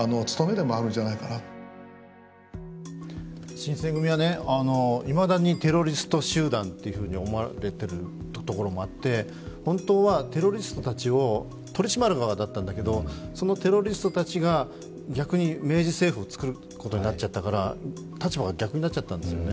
新選組は、いまだにテロリスト集団というふうに思われているところもあって本当はテロリストたちを取り締まる側だったんだけれども、そのテロリストたちが逆に明治政府を作ることになっちゃったから立場が逆になっちゃったんですよね。